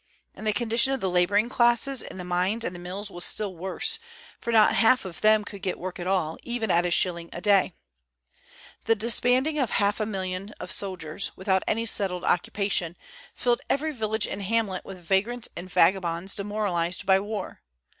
And the condition of the laboring classes in the mines and the mills was still worse; for not half of them could get work at all, even at a shilling a day. The disbanding of half a million of soldiers, without any settled occupation, filled every village and hamlet with vagrants and vagabonds demoralized by war.